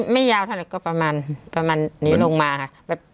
ไม่ยาวเท่าไหร่ก็ประมาณนี้ลงมาค่ะ